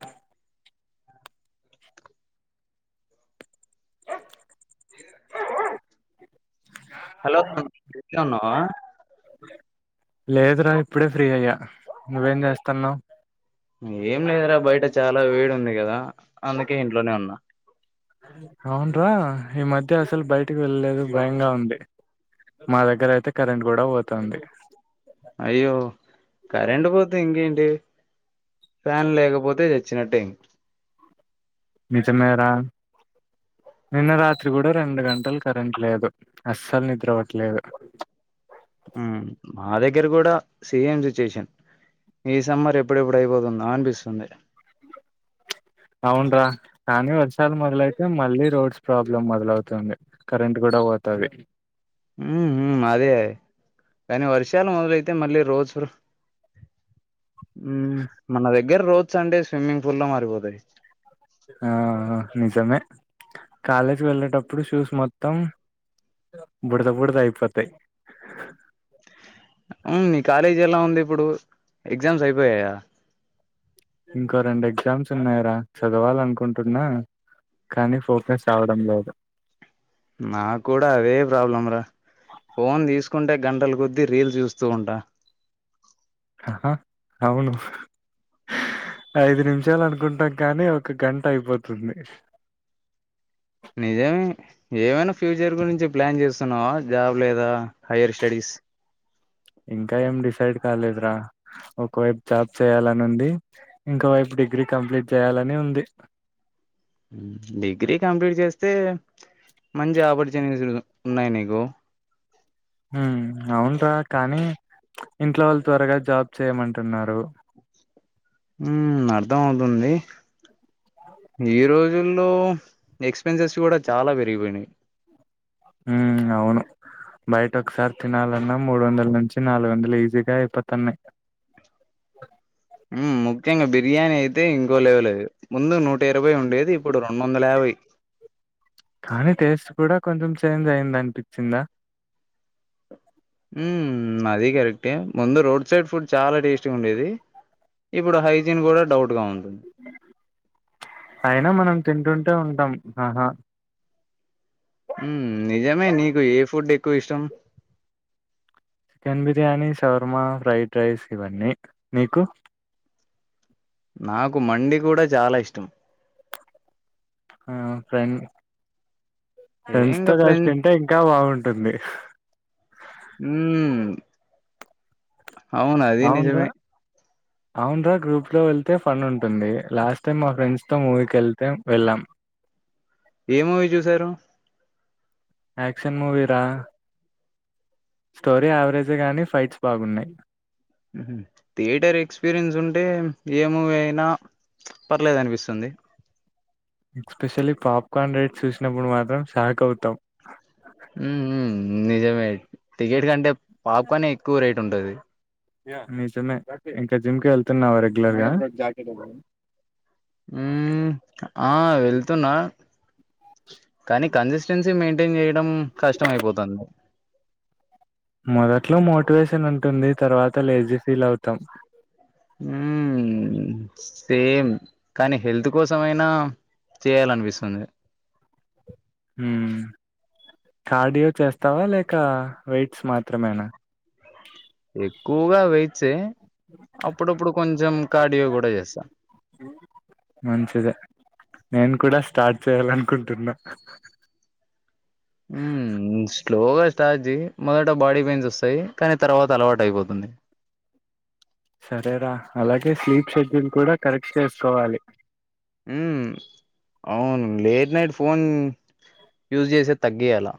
ఆ హలో నువ్ ఫ్రీగా ఉన్నావా లేదురా ఇప్పుడే ఫ్రీ అయ్యా నువ్వేం చేస్తున్నావ్ ఏం లేదురా బయట చాలా వేడి ఉంది కదా అందుకే ఇంట్లోనే ఉన్నా అవున్రా ఈ మధ్య అసలు బయటకి వెళ్ళలేదు భయంగా ఉంది మా దగ్గర అయితే కరెంట్ కూడా పోతుంది అయ్యో కరెంటు పోతే ఇంకేంటి ఫ్యాన్ లేకపోతే తెచ్చినట్టే నిజమేరా నిన్న రాత్రి కూడా రెండు గంటలు కరెంట్ లేదు అస్సలు నిద్రపట్లేదు హ్మ్ మా దగ్గర కూడా సేమ్ సిచ్యుయేషన్ ఈ సమ్మర్ ఎప్పుడెప్పుడు అయిపోతుందో అనిపిస్తుంది అవున్రా కానీ వర్షాలు మొదలైతే మళ్ళీ రోడ్స్ ప్రాబ్లమ్ మొదలవుతుంది కరెంట్ కూడా కూడ పోతది ఉ అదే కానీ వర్షాలు మొదలైతే మళ్ళీ రోడ్స్ మన దగ్గర రోడ్స్ అంటే స్విమ్మింగ్ పూల్లా మారిపోతాయి ఆ నిజమే కాలేజ్కి వెళ్ళేటప్పుడు షూస్ మొత్తం బుడదా బుడదా ఐపోతాయి ఆ మీ కాలేజీ ఎలా ఉంది ఇప్పుడు ఎగ్జామ్స్ అయిపోయాయా ఇంకో రెండు ఎగ్జామ్స్ ఉన్నాయిరా చదవాల అనుకుంటున్నా కానీ ఫోకస్ రావడంలేదు నాకు కూడా అదే ప్రాబ్లం రా ఫోన్ తీసు కుంటే గంటలు కొద్దీ రీల్స్ చూస్తూ ఉంటా అహ అవును ఐదు నిమిషాలు అనుకుంటాం కానీ ఒక గంట అయిపోతుంది నిజమే ఏమైనా ఫ్యూచర్ గురించి ప్లాన్ చేస్తున్నావా జాబ్ లేదా హైయర్ స్టడీస్ ఇంకా ఏం డిసైడ్ కాలేదురా ఒకవైపు జాబ్ చేయాలని ఉంది ఇంకోవైపు డిగ్రీ కంప్లీట్ చేయాలని ఉంది డిగ్రీ కంప్లీట్ చేస్తే మంచి ఆపర్చునిటీస్ ఉన్నాయి నీకు ఉ అవున్రా కానీ ఇంట్లో వాళ్ళు త్వరగా జాబ్ చేయమంటున్నారు ఉ అర్థం అవుతుంది ఈ రోజు లో ఎక్స్పెన్సెస్ కూడా చాలా పెరిగిపోయినాయి ఉ అవును బయట ఒకసారి తినాలన్నా మూడు వందల నుంచి నాలుగు వందలు ఈజీ గా అయిపోతున్నాయ్ మ్ ముఖ్యంగా బిర్యానీ అయితే ఇంకో లెవలది ముందు నూట ఇరవై ఉండేది ఇప్పుడు రెండు వందల యాభై కానీ టేస్ట్ కూడా కొంచెం చేంజ్ అయిందనిపించిందా ఉ అది కరెక్టే ముందు రోడ్ సైడ్ ఫుడ్ చాలా టేస్టీగా ఉండేది ఇప్పుడు హైజీన్ కూడా డౌట్ గా ఉంది అయినా మనం తింటుంటే ఉంటాం ఆహా ఈ నిజమే నీకు ఏ ఫుడ్ ఎక్కువ ఇష్టం chicken biryani shawarma fried rice ఇవన్నీ నీకు నాకు మండి కూడా చాలా ఇష్టం ఆ ఫెండ్ ఫ్రెండ్స్ ఏంకా తో కలిసి ఫ్రెండ్ తింటే ఇంకా బాగుంటుంది మ్మ్ అవును అది నిజమే అవున్రా గ్రూప్ లో వెళ్తే ఫన్ ఉంటుంది లాస్ట్ టైమ్ మా ఫ్రెండ్స్ తో మూవీకి వెళ్తే వెళ్ళాం ఏ మూవీ చూసారు యాక్షన్ మూవీరా స్టోరీ యావరేజె గాని ఫైట్స్ బాగున్నాయ్ థియేటర్ ఎక్స్పీరియన్స్ ఉంటే ఏ మూవీ అయినా పర్లేదు అనిపిస్తుంది ఎక్స్పెషల్లీ పాప్కార్న్ రైట్స్ చూసినప్పుడు మాత్రం షాక్ అవుతాం ఉ ఉ నిజమే టికెట్ కంటే పాప్కన్ ఎక్కువ రేట్ ఉంటది నిజమే ఇంకా జిమ్ కెళ్తున్నావా రెగ్యులర్ గా ఊ ఆ వెళ్తున్నా కానీ కన్సిస్టెన్సీ మెయింటైన్ చేయడం కష్టం అయిపోతాంది మొదట్లో మోటివేషన్ ఉంటుంది తర్వాత లేజీ ఫీల్ అవుతాం ఊ సేమ్ కానీ హెల్త్ కోసమయినా చేయాలనిపిస్తుంది ఊ కార్డియో చేస్తావా లేక వెయిట్స్ మాత్రమేనా గోగ వేయిట్స్ ఏ అప్పుడప్పుడు కొంచెం కార్డియో కూడా చేస్తా. మంచిదే నేను కూడా స్టార్ట్ చేయాలనుకుంటున్నా. మ్ మ్ స్లోగా స్టార్జి మొదట బాడీ పెయిన్స్ వస్తాయి కానీ తర్వాత అలవాటు అయిపోతుంది. సరేరా అలాగే స్లీప్ షెడ్యూల్ కూడా కరెక్ట్ చేసుకోవాలి. మ్ అవును లేట్ నైట్ ఫోన్ యూజ్ చేసే తగ్గేయలా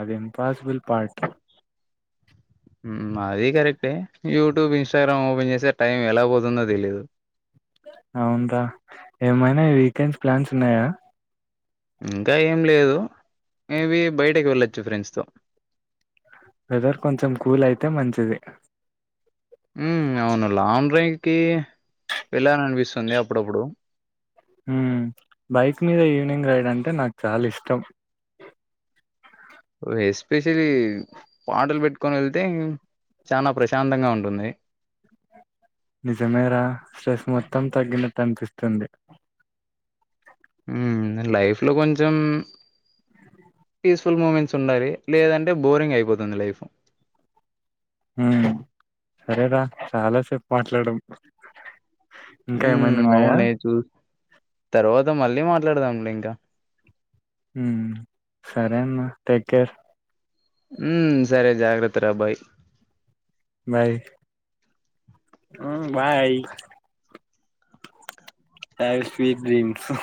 అది ఇంపాసిబిల్ పార్ట్ మ్ అది కరెక్టే యూట్యూబ్, ఇన్స్టాగ్రామ్ ఓపెన్ చేసే టైం ఎలా పోతుందో తెలీదు. అవును రా ఏమైనా వీకెండ్స్ ప్లాన్స్ ఉన్నాయా? ఇంకా ఏం లేదు మేబి బయటకి వెళ్ళచ్చు ఫ్రెండ్స్ తో వెదర్ కొంచెం కూల్ అయితే మంచిది. మ్ అవును అలా లాంగ్డ్రైవ్కి వెళ్ళాల అనిపిస్తుంది అప్పుడప్పుడు మ్ బైక్ మీద ఈవినింగ్ రైడ్ అంటే నాకు చాలా ఇష్టం. ఎస్పెషలీ పాటలు పెట్టుకొని వెళ్తే చానా ప్రశాంతంగా ఉంటుంది. నిజమేర స్ట్రెస్ మొత్తం తగ్గినట్టు అనిపిస్తుంది. మ్ లైఫ్ లో కొంచెం పీస్ఫుల్ మూమెంట్స్ ఉండాలి. లేదంటే బోరింగ్ అయిపోతుంది లైఫ్. ఉమ్ సరేరా చాలాసేపు మాట్లాడం ఇంకా ఏమైనా హ్మ్ ఉన్నాయా? అవునే చూ తర్వాత మళ్ళీ మాట్లాడదాంలే ఇంకా మ్ సరే అన్న టేక్ కేర్ ఉమ్ సరే జాగ్రత్త రాబ్బాయి బయ్ మ్ బాయ్ డైవ్ స్వీపింగ్ హ్హ్